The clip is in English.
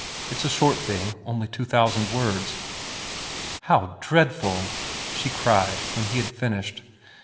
It's a short thing—only two thousand words." "How dreadful!" she cried, when he had finished.